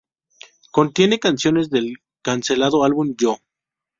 Contiene canciones del cancelado álbum "Yo!